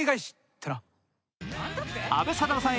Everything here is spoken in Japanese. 阿部サダヲさん